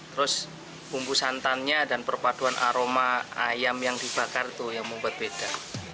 terus bumbu santannya dan perpaduan aroma ayam yang dibakar itu yang membuat beda